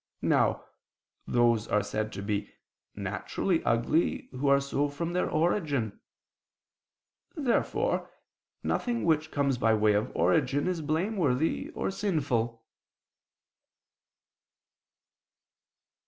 Now those are said to be "naturally ugly," who are so from their origin. Therefore nothing which comes by way of origin is blameworthy or sinful.